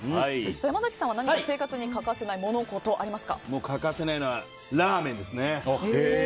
山崎さんは何か生活に欠かせないモノ・コトは欠かせないのはラーメンですね。